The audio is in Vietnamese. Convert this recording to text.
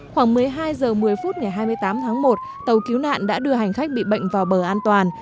khoảng một mươi hai h một mươi phút ngày hai mươi tám tháng một tàu cứu nạn đã đưa hành khách bị bệnh vào bờ an toàn